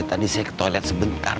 tadi saya ke toilet sebentar